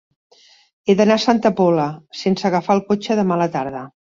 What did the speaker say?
He d'anar a Santa Pola sense agafar el cotxe demà a la tarda.